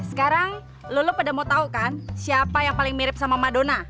sekarang lu lu pada mau tau kan siapa yang paling mirip sama madonna